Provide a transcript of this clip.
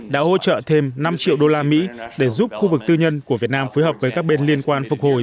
đã hỗ trợ thêm năm triệu đô la mỹ để giúp khu vực tư nhân của việt nam phối hợp với các bên liên quan phục hồi